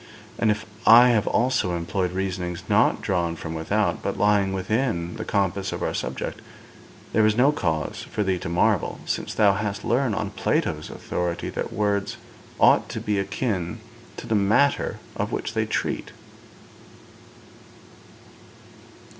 And if I have also employed reasonings not drawn from without, but lying within the compass of our subject, there is no cause for thee to marvel, since thou hast learnt on Plato's authority that words ought to be akin to the matter of which they treat.'